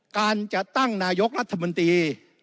การจะตั้งนายกรัฐมนตรี